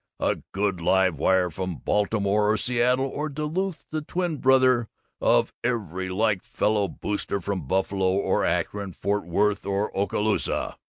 A good live wire from Baltimore or Seattle or Duluth is the twin brother of every like fellow booster from Buffalo or Akron, Fort Worth or Oskaloosa!